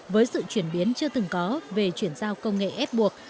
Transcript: với sự chuyển biến chưa từng có về chuyển giao công nghệ ép buộc